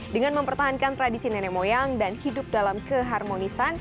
dengan mempertahankan tradisi nenek moyang dan hidup dalam keharmonisan